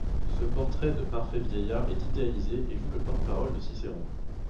Ce portrait de parfait vieillard est idéalisé et joue le porte-parole de Cicéron.